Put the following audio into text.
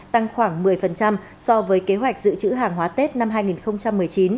tăng khoảng một mươi so với kế hoạch giữ chữ hàng hóa tết năm hai nghìn một mươi chín